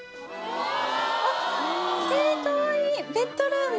あっえっかわいいベッドルーム。